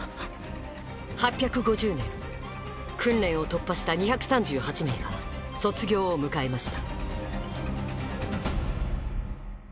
８５０年訓練を突破した２３８名が卒業を迎えました